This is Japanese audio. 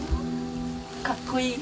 かっこいい。